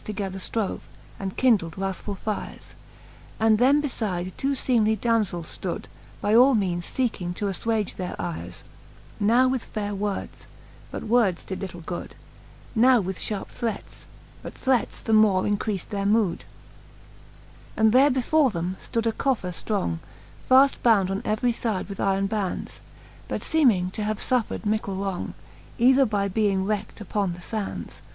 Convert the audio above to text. Together ftrove, and kindled wrathfull fires : And them befide two feemely damzells ftood, By all meanes fecking to affwage their ires, Now with faire words ; but words did little good : (mood. Now with fharpe threats j but threats the more increaft their V. And there before them ftood a coffer ftrong, Faft bound on every fide with iron bands, But feeming to have fuffred mickle wrong, Either by being wreckt upon the fands.